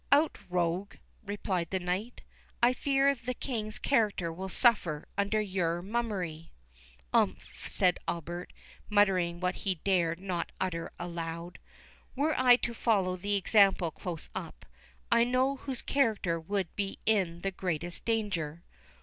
"Out, rogue!" replied the knight. "I fear the King's character will suffer under your mummery." "Umph," said Albert, muttering what he dared not utter aloud—"were I to follow the example close up, I know whose character would be in the greatest danger."